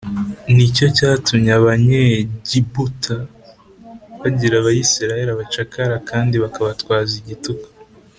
Ni cyo cyatumye abanyegiputa bagira abisirayeli abacakara kandi bakabatwaza igitugu